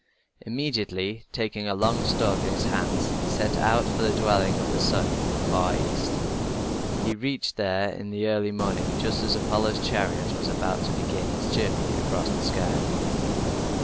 Immediately, taking a long stalk in his hands, he set out for the dwelling of the sun in the far east. He reached there in the early morning, just as Apollo's chariot was about to begin its journey across the sky.